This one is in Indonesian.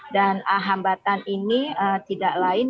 dan hambatan ini tidak lain